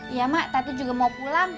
iya mak tapi juga mau pulang